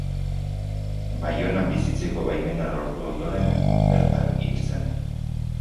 Baionan bizitzeko baimena lortu ondoren bertan hil zen.